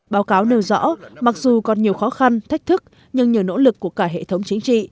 báo cáo nêu rõ mặc dù còn nhiều khó khăn thách thức nhưng nhờ nỗ lực của cả hệ thống chính trị